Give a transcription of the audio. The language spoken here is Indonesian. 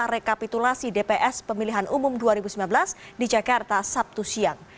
rekapitulasi dps pemilihan umum dua ribu sembilan belas di jakarta sabtu siang